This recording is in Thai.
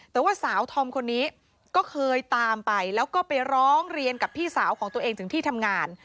แต่ว่าสาวธอมคนนี้ก็เคยตามไปแล้วก็ไปร้องเรียนกับพี่สาวของตัวเองถึงที่ทำงาน